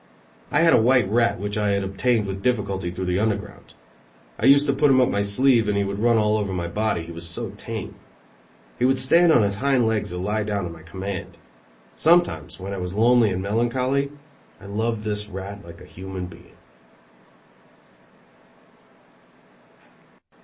I had a white rat, which I had obtained with difficulty through the Underground. I used to put him up my sleeve, and he would run all over my body, he was so tame. He would stand on his hind legs or lie down at my command. Sometimes, when I was lonely and melancholy, I loved this rat like a human being.